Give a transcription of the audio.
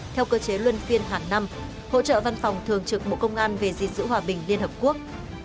theo cơ chế luân phiên hàng năm hỗ trợ văn phòng thường trực bộ công an về gìn giữ hòa bình liên hợp quốc